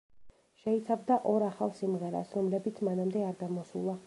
შეიცავდა ორ ახალ სიმღერას, რომლებიც მანამდე არ გამოსულა.